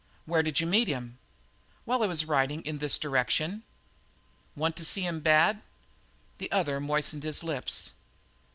Where did you meet him?" "While I was riding in this direction." "Want to see him bad?" The other moistened his lips.